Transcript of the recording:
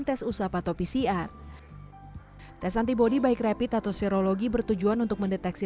tes usap atau pcr tes antibody baik rapid atau serologi bertujuan untuk mendeteksi